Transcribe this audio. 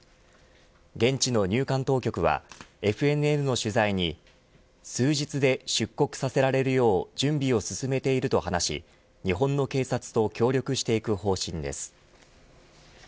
現地の入管当局はＦＮＮの取材に数日で出国させられるよう準備を進めていると話し日本の警察と協力していく方針です。